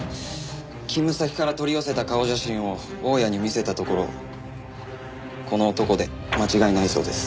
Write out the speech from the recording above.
勤務先から取り寄せた顔写真を大家に見せたところこの男で間違いないそうです。